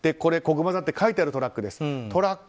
こぐま座って書いてあるトラックです。